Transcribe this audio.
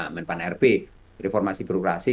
men pan r b reformasi bureausi